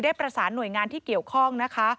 ประสานหน่วยงานที่เกี่ยวข้องนะคะ